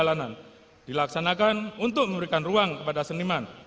kegiatan ini juga dilaksanakan untuk memberikan ruang kepada seniman